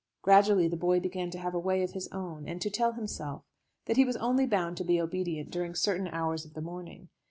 Gradually the boy began to have a way of his own, and to tell himself that he was only bound to be obedient during certain hours of the morning.